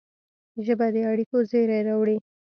ژبه د اړیکو زېری راوړي